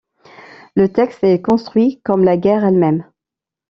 Le texte est construit comme la guerre elle-même.